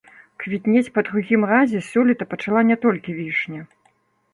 Квітнець па другім разе сёлета пачала не толькі вішня.